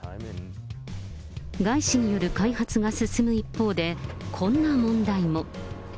外資による開発が進む一方で、こんな問題も。